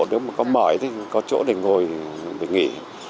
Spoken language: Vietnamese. nếu mà có mỏi thì có chỗ để ngồi để nghỉ